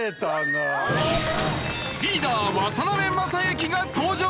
リーダー渡辺正行が登場！